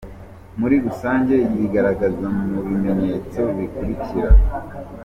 Muri rusange, yigaragaza mu bimenyetso bikurikira:.